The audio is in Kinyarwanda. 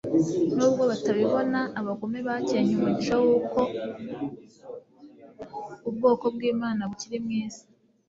Nubwo batabibona, abagome bakencye umugisha w'uko ubwoko bw'Imana bukiri mu isi,